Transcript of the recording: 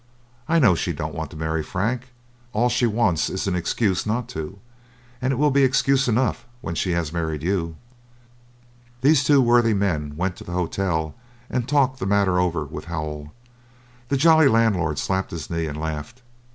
I know she don't want to marry Frank; all she wants is an excuse not to, and it will be excuse enough when she has married you." These two worthy men went to the Hotel and talked the matter over with Howell. The jolly landlord slapped his knee and laughed.